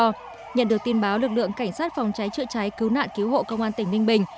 trước đó nhận được tin báo lực lượng cảnh sát phòng cháy chữa cháy cứu nạn cứu hộ công an tỉnh ninh bình